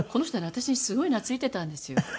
私にすごい懐いてたんですよ。